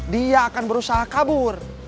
dia akan berusaha kabur